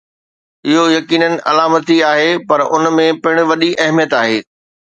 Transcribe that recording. اهو يقيناً علامتي آهي، پر ان ۾ پڻ وڏي اهميت آهي.